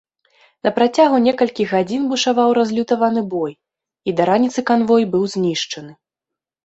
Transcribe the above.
На працягу некалькіх гадзін бушаваў разлютаваны бой, і да раніцы канвой быў знішчаны.